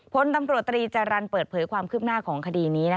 พลตำรวจตรีจรรย์เปิดเผยความคืบหน้าของคดีนี้